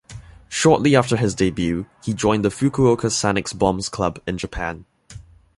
Shortly after his debut, he joined the Fukuoka Sanix Bombs club in Japan.